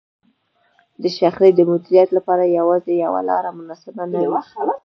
د شخړې د مديريت لپاره يوازې يوه لار مناسبه نه وي.